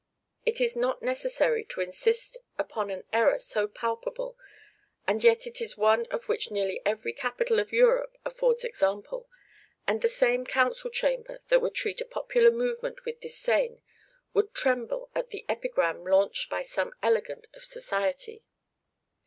It is not necessary to insist upon an error so palpable, and yet it is one of which nearly every capital of Europe affords example; and the same council chamber that would treat a popular movement with disdain would tremble at the epigram launched by some "elegant" of society.